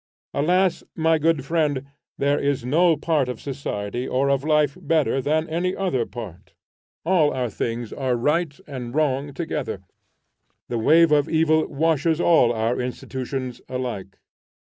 Alas! my good friend, there is no part of society or of life better than any other part. All our things are right and wrong together. The wave of evil washes all our institutions alike.